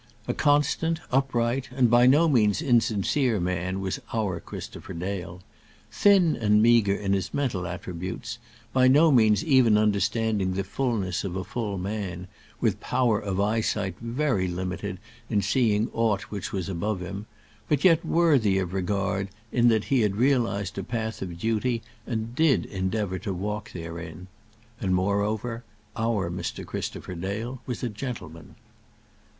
A constant, upright, and by no means insincere man was our Christopher Dale, thin and meagre in his mental attributes, by no means even understanding the fulness of a full man, with power of eye sight very limited in seeing aught which was above him, but yet worthy of regard in that he had realized a path of duty and did endeavour to walk therein. And, moreover, our Mr. Christopher Dale was a gentleman.